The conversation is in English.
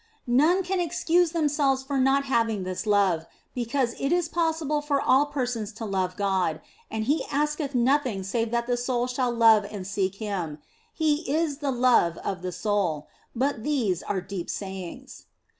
None can excuse themselves for not having this love, because it is possible for all persons to love God, and He asketh nothing save that the soul shall love and seek Him. He is the love of the soul. But these are deep sayings.